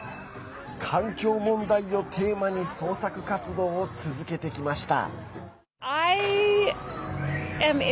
環境問題をテーマに創作活動を続けてきました。